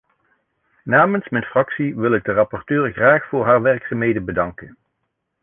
Namens mijn fractie wil ik de rapporteur graag voor haar werkzaamheden bedanken.